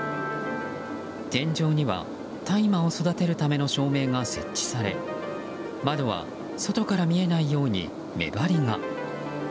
天井には、大麻を育てるための照明が設置され窓は外から見えないように目張りが。